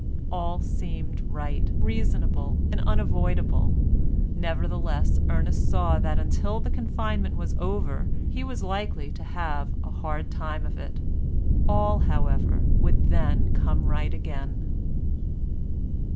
All seemed right, reasonable, and unavoidable, nevertheless Ernest saw that until the confinement was over he was likely to have a hard time of it. All however would then come right again.